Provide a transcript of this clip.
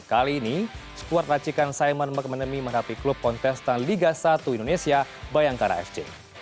kali ini skuad racikan simon mcmanamy menghadapi klub kontestan liga satu indonesia bayangkara fc